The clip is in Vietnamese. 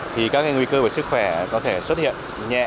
thì các nguy cơ về sức khỏe có thể xuất hiện nhẹ